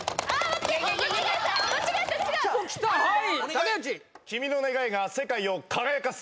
武内「君の願いが世界を輝かす」